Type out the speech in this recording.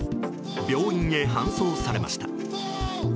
病院へ搬送されました。